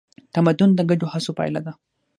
تمدن د ګډو هڅو پایله ده.